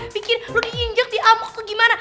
pikir lo diinjak di amok tuh gimana